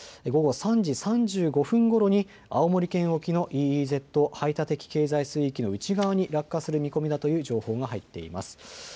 午後３時３５分ごろに青森県沖のＥＥＺ・排他的経済水域の内側に落下する見込みだという情報が入っています。